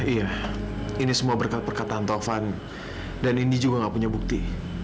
iya ini semua berkat berkat tante afan dan indi juga nggak punya bukti